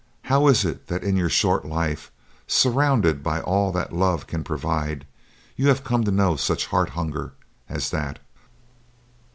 How is it that in your short life, surrounded by all that love can provide, you have come to know such heart hunger as that?"